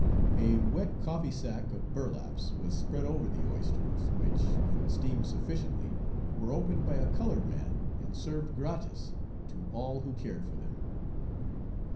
A wet coffee sack of burlaps was spread over the oysters, which, when steamed sufficiently, were opened by a colored man and served gratis to all who cared for them.